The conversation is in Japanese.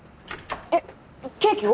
えっケーキを？